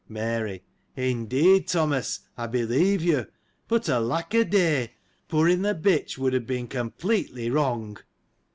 ^ Mary. — Indeed, Thomas, I believe you : but alack a day ! purring th' bitch would have been completely wrong.